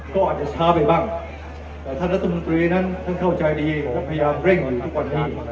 ก็อาจจะช้าไปบ้างแต่ท่านรัฐมนตรีนั้นท่านเข้าใจดีและพยายามเร่งอยู่ทุกวันนี้